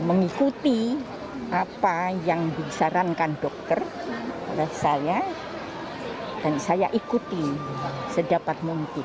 mengikuti apa yang disarankan dokter oleh saya dan saya ikuti sedapat mungkin